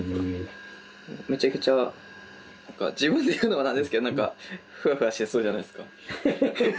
めちゃくちゃ自分で言うのも何ですけどなんかふわふわしてそうじゃないですか？